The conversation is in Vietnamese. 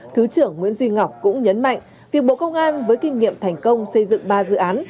thứ trưởng nguyễn duy ngọc cũng nhấn mạnh việc bộ công an với kinh nghiệm thành công xây dựng ba dự án